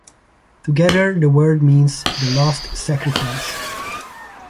Together, the word means the "last sacrifice".